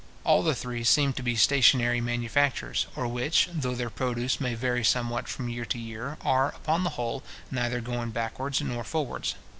All the three seem to be stationary manufactures, or which, though their produce may vary somewhat from year to year, are, upon the whole, neither going backwards nor forwards.